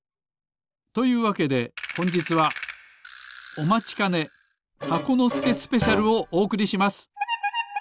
というわけでほんじつはおまちかね「箱のすけスペシャル」をおおくりします。